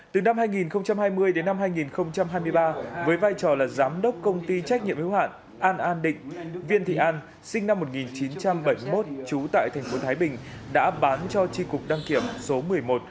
từ năm hai nghìn hai mươi đến năm hai nghìn hai mươi ba với vai trò là giám đốc công ty trách nhiệm hiếu hạn an an định viên thị an sinh năm một nghìn chín trăm bảy mươi một trú tại tp thái bình đã bán cho tri cục đăng kiểm số một mươi một